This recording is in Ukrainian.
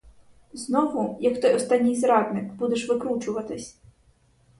Знову, як той останній зрадник, будеш викручуватись?